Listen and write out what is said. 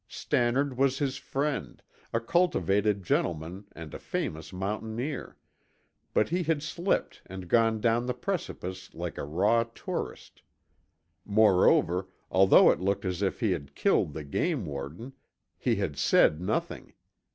Stannard was his friend, a cultivated gentleman and a famous mountaineer; but he had slipped and gone down the precipice like a raw tourist. Moreover, although it looked as if he had killed the game warden, he had said nothing.